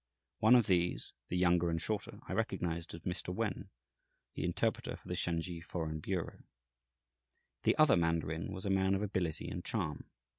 One of these, the younger and shorter, I recognized as Mr. Wen, the interpreter for the Shansi foreign bureau. The other mandarin was a man of ability and charm.